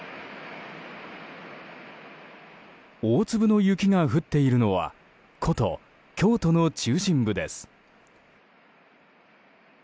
大粒の雪が降っているのは古都・京都の中心部です。